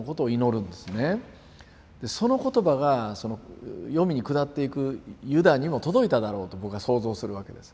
その言葉が黄泉に下っていくユダにも届いただろうと僕は想像するわけです。